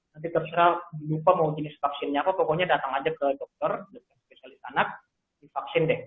nanti terserah lupa mau jenis vaksinnya apa pokoknya datang aja ke dokter dokter spesialis anak divaksin deh